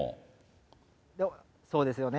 そうですよね。